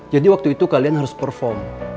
jadi waktu itu kalian harus perform